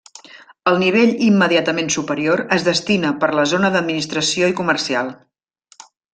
El nivell immediatament superior, es destina per la zona d'administració i comercial.